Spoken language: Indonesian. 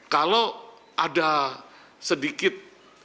kalau ada sedikit